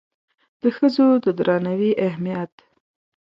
د ښځو د درناوي اهمیت